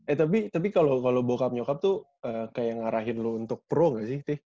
eh tapi kalo bokap nyokap tuh kayak ngarahin lu untuk pro gak sih t